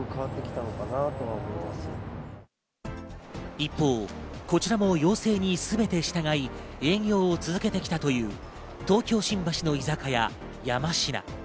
一方こちらも要請に全て従い営業を続けてきたという東京・新橋の居酒屋、山しな。